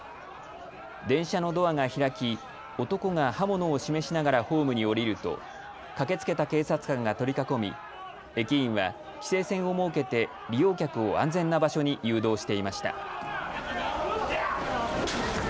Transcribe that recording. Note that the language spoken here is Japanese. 電車のドアが開き男が刃物を示しながらホームに降りると駆けつけた警察官が取り囲み駅員は規制線を設けて利用客を安全な場所に誘導していました。